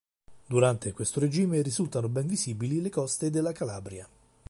Durante questo regime risultano ben visibili le coste della Calabria.